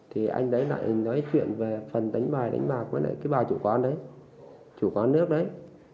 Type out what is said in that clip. thì anh đấy lại nói chuyện về phần đánh bài đánh bạc với lại cái bài chủ quan đấy chủ quán nước đấy